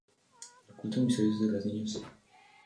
El culto misterioso de las niñas".